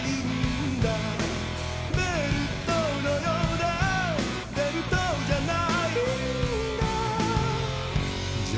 「ベルトのようでベルトじゃないんだ」